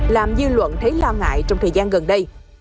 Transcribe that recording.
làm dư luận thấy lo ngại trong thời gian gần đây